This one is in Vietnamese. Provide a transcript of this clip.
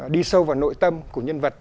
đi sâu vào nội tâm của nhân vật